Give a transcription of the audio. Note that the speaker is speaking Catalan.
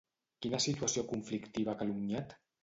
Quina situació conflictiva ha calumniat?